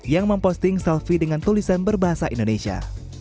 yang memposting selfie dengan tulisan berbahasa indonesia